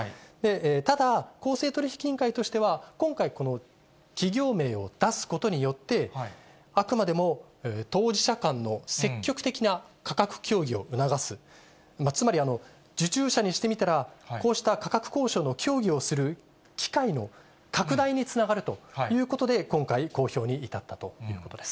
ただ、公正取引委員会としては、今回、企業名を出すことによって、あくまでも、当事者間の積極的な価格協議を促す、つまり受注者にしてみたら、こうした価格交渉の協議をする機会の拡大につながるということで、今回、公表に至ったということです。